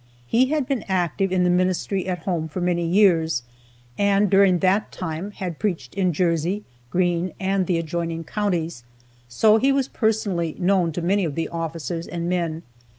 He had been active in the ministry at home for many years, and during that time had preached in Jersey, Greene, and the adjoining counties, so he was personally known to many of the officers and men.